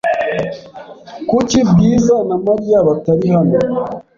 Kuki Bwiza na Mariya batari hano?